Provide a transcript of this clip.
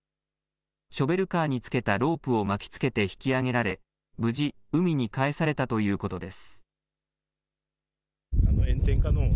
ショベルカーに付けたロープを巻きつけて引き上げられ無事、海に返されたということです。